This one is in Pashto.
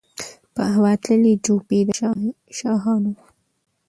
په هوا تللې جوپې د شاهینانو